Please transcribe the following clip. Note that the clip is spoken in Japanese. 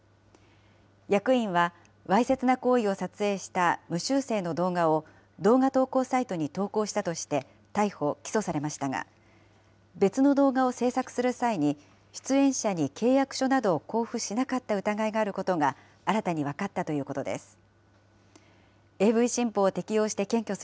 役員はわいせつな行為を撮影した無修正の動画を、動画投稿サイトに投稿したとして、逮捕・起訴されましたが、別の動画を制作する際に、出演者に契約書などを交付しなかった疑いがあることが、新たに分かったということです。